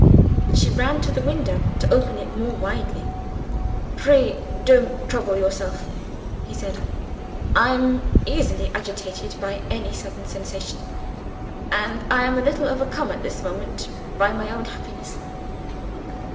She ran to the window to open it more widely. "Pray don't trouble yourself," he said, "I am easily agitated by any sudden sensation and I am a little overcome at this moment by my own happiness."